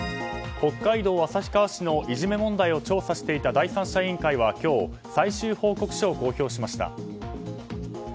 北海道旭川市のいじめ問題を調査していた第三者委員会は今日最終報告書を公開しました。